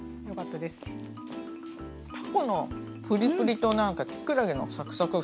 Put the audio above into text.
たこのプリプリときくらげのサクサク